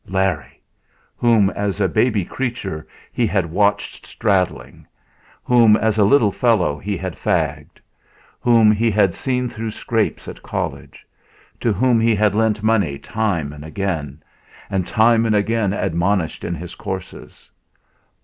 Larry! Whom, as a baby creature, he had watched straddling; whom, as a little fellow, he had fagged; whom he had seen through scrapes at college; to whom he had lent money time and again, and time and again admonished in his courses.